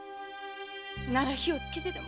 なら火をつけてでも！